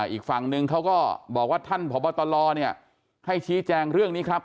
อีกฝั่งนึงเขาก็บอกว่าท่านพบตลให้ชี้แจงเรื่องนี้ครับ